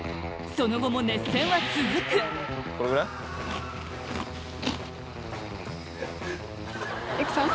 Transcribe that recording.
その後も熱戦は続く育さん？